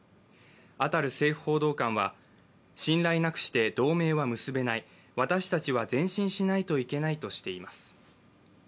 アタル政府報道官は、信頼なくして同盟は結べない、私たちは前進しないといけないとしています。